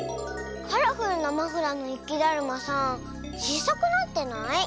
カラフルなマフラーのゆきだるまさんちいさくなってない？